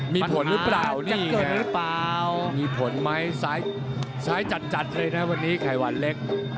มีผลหรือเปล่ามีผลไหมซ้ายจัดเลยนะวันนี้ไข่หวานเล็ก